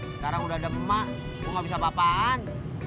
sekarang udah demak gue gak bisa apa apaan